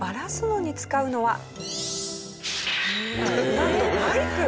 なんとバイク。